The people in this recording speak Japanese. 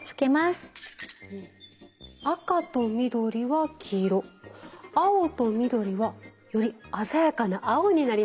赤と緑は黄色青と緑はより鮮やかな青になりました。